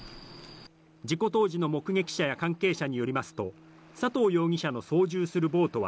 事故当時の目撃者や関係者によりますと、佐藤容疑者の操縦するボートは、